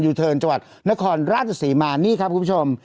ยูเทินชวัดณคอร์นราชศรีมานี่ครับคุณผู้ชม